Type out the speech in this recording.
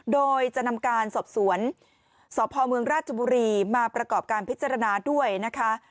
โดยจะนำการสอบสวนสพเมืองราชบุรีมาประกอบการพิจารณาด้วยนะคะ